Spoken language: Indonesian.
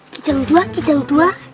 gijang dua gijang dua